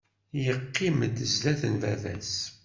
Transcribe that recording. Yeqqim-d sdat n baba-s!